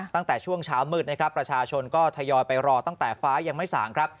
ตั้งแต่ช่วงเช้ามืดนะครับประชาชนก็ทยอยไปรอตั้งแต่ฟ้ายังไม่สางครับ